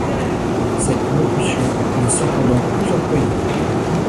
Cette locution n'est cependant plus employée.